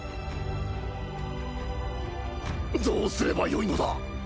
どうすればよいのだ。